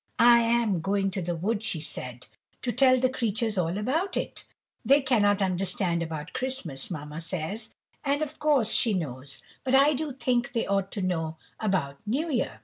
"I am going to the wood," she said, "to tell the creatures all about it. They cannot understand about Christmas, mamma says, and of course she knows, but I do think they ought to know about New Year!"